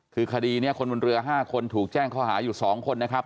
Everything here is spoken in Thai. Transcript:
คือคดีนี้คนบนเรือ๕คนถูกแจ้งข้อหาอยู่๒คนนะครับ